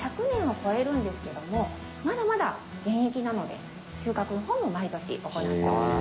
１００年を超えるんですけどもまだまだ現役なので収穫の方も毎年行っております。